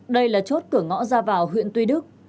đây là chốt cửa ngõ ra vào huyện tuy đức